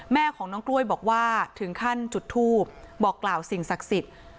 แม่ของน้องกล้วยบอกว่าถึงขั้นจุดทูปบอกกล่าวสิ่งศักดิ์สิทธิ์